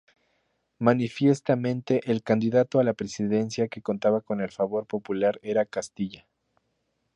Manifiestamente, el candidato a la presidencia que contaba con el favor popular era Castilla.